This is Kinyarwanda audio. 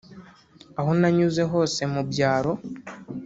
Aho nanyuze hose mu byaro